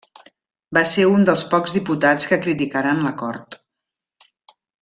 Va ser un dels pocs diputats que criticaren l'Acord.